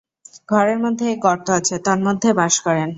ঘরের মধ্যে এক গর্ত আছে, তন্মধ্যে বাস করেন।